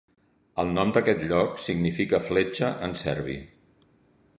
El nom d'aquest lloc significa "fletxa" en serbi.